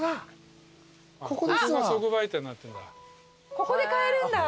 ここで買えるんだ。